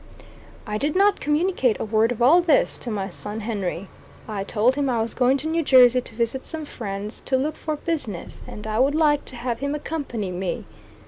I did not communicate a word of all this to my son Henry. I told him I was going to New Jersey to visit some friends, to look for business, and I would like to have him accompany me.